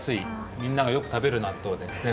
みんながよくたべるなっとうですね